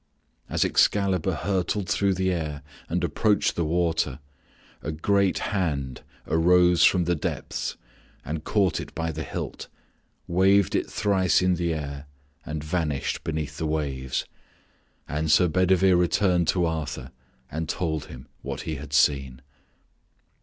As Excalibur hurtled through the air and approached the water a great hand arose from the depths and caught it by the hilt, waved it thrice in the air and vanished beneath the waves, and Sir Bedivere returned to Arthur and told him what he had seen.